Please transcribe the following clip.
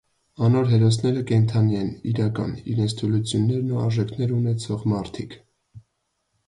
Անոր հերոսները կենդանի են, իրական, իրենց թուլութիւններն ու արժանիքները ունեցող մարդիկ։